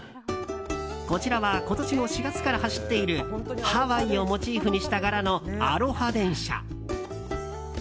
こちらは今年の４月から走っているハワイをモチーフにした柄のアロハ電車。